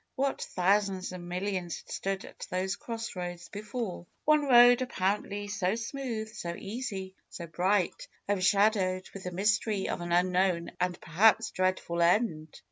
What thousands and millions had stood at these crossroads before ! One road apparently so smooth, so easy, so bright, overshadowed with the mys tery of an unknown and perhaps dreadful end.